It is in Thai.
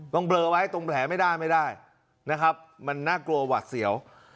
เบลอไว้ตรงแผลไม่ได้ไม่ได้นะครับมันน่ากลัวหวัดเสียว